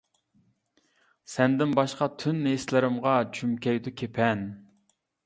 سەندىن باشقا تۈن ھېسلىرىمغا چۈمكەيدۇ كېپەن.